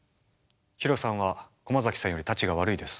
ヒロさんは駒崎さんよりタチが悪いです。